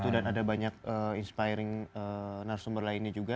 dan ada banyak inspiring narsumber lainnya juga